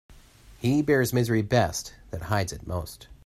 He bears misery best that hides it most.